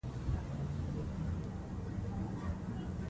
امید او هڅه ژوند ته مانا ورکوي.